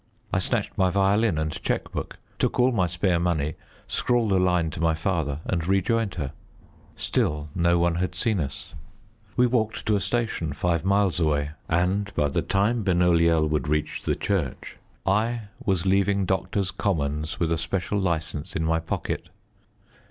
I snatched my violin and cheque book, took all my spare money, scrawled a line to my father and rejoined her. Still no one had seen us. We walked to a station five miles away; and by the time Benoliel would reach the church, I was leaving Doctors' Commons with a special licence in my pocket.